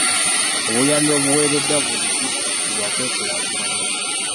Obuyambi obuweereddwa buli disitulikiti bwa kwekulaakulanya.